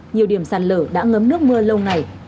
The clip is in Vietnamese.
nhiều điểm sạt lở đã ngấm nước mưa lâu ngày